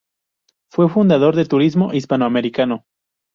Fue fundador de Turismo-Hispanoamericano.